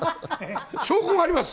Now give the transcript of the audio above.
証拠があります。